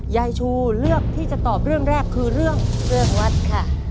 ยายชูเลือกที่จะตอบเรื่องแรกคือเรื่องเรื่องวัดค่ะ